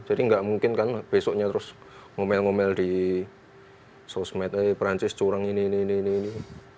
jadi enggak mungkin besoknya terus ngomel ngomel di sosmed eh prancis curang ini ini ini